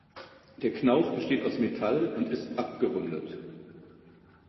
Der Knauf besteht aus Metall und ist abgerundet.